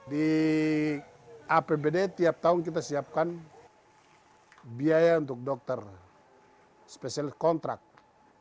di apbd tiap tahun kita siapkan biaya untuk dokter spesialis contract